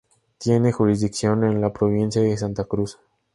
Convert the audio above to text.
Tiene jurisdicción en la Provincia de Santa Cruz.